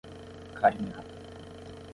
Carinhanha